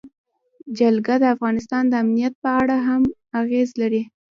جلګه د افغانستان د امنیت په اړه هم اغېز لري.